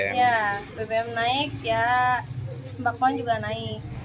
ya bbm naik ya sembako juga naik